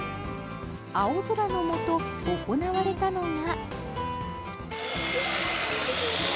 青空のもと行われたのが。